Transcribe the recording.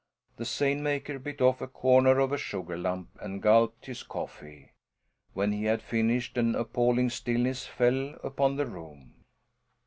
The seine maker bit off a corner of a sugar lump and gulped his coffee. When he had finished an appalling stillness fell upon the room.